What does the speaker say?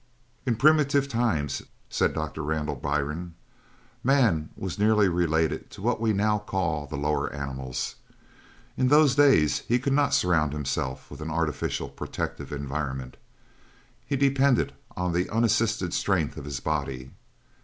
"In primitive times," said Doctor Randall Byrne, "man was nearly related to what we now call the lower animals. In those days he could not surround himself with an artificial protective environment. He depended on the unassisted strength of his body.